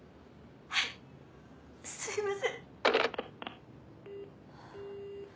はいすいません。